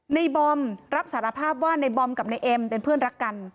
บอมรับสารภาพว่าในบอมกับในเอ็มเป็นเพื่อนรักกัน